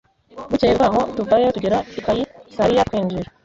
Bukeye bwaho tuvayo tugera i Kayisariya twinjira